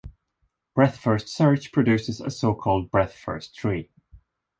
Breadth-first search produces a so-called "breadth first tree".